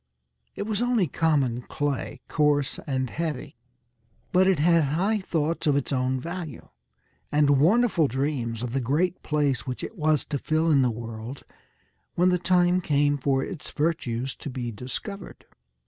It was only common clay, coarse and heavy; but it had high thoughts of its own value, and wonderful dreams of the great place which it was to fill in the world when the time came for its virtues to be discovered.